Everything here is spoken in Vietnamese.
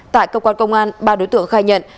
tại cơ quan công an ba đối tượng khai nhận